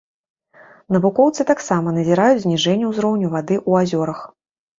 Навукоўцы таксама назіраюць зніжэнне ўзроўню вады ў азёрах.